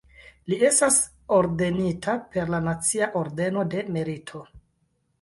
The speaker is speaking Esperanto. Li estas ordenita per la Nacia ordeno de Merito.